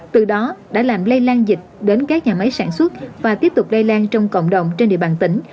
từ đó đã làm lây lan dịch đến các nhà máy sản xuất và tiếp tục lây lan trong cộng đồng trên địa bàn tỉnh